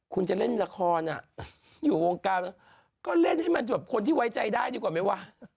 คุณจะเล่นละครอยู่วงการก็เล่นให้มันจบคนที่ไว้ใจได้ดีกว่าไหมวะ